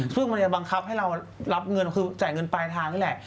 ซึ่งมันจะบังคับให้เรารับเงินคือจ่ายเงินปลายทางนี่แหละ